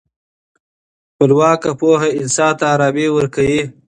خپلواکه پوهه انسان ته ارامي ورکوي.